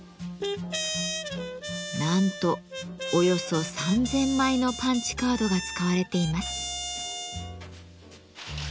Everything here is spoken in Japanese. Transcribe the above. なんとおよそ３，０００枚のパンチカードが使われています。